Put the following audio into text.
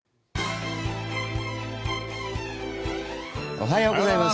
おはようございます。